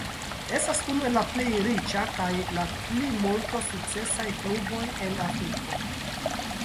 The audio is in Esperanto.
Estas unu el la plej riĉa kaj la plimulto sukcesaj kluboj en Afriko.